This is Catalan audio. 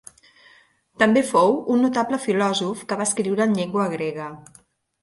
També fou un notable filòsof, que va escriure en llengua grega.